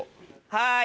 はい。